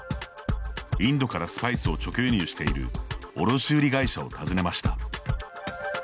インドからスパイスを直輸入している卸売会社を訪ねました。